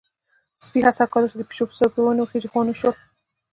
سپی هڅه کوله چې د پيشو په څېر په ونې وخيژي، خو ونه شول.